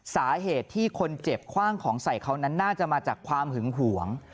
สาเหตุที่คนเจ็บคว่างของใส่เขานั้นน่าจะมาจากความหึงหวง